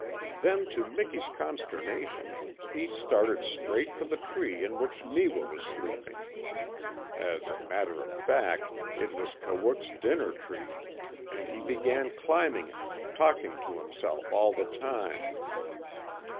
Then to Miki's consternation he started straight for the tree in which Neewa was sleeping. As a matter of fact, it was Kawook's dinner tree, and he began climbing it, talking to himself all the time.